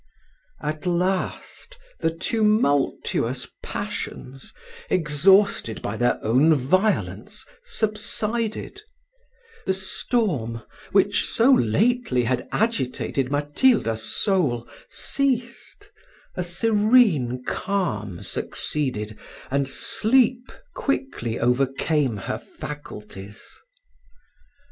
At last the tumultuous passions, exhausted by their own violence, subsided: the storm, which so lately had agitated Matilda's soul, ceased; a serene calm succeeded, and sleep quickly overcame her faculties.